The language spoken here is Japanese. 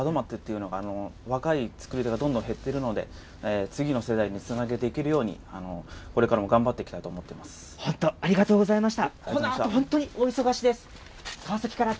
今、この日本の伝統文化の門松っていうのが、若い作り手がどんどん減っているので、次の世代につないでいけるように、これからも頑張っていきたいと思ってま本当ありがとうございました。